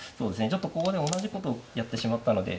ちょっとここで同じことをやってしまったので。